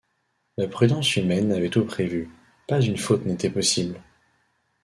La prudence humaine avait tout prévu, pas une faute n’était possible.